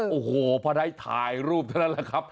โอ้โหพอได้ถ่ายรูปเท่านั้นแหละครับ